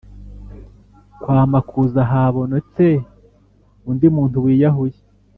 Kwamakuza habonetse undi muntu wiyahuye